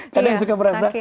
kadang suka merasa